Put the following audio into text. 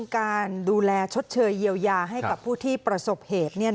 การดูแลชดเชยเยียวยาให้กับผู้ที่ประสบเหตุ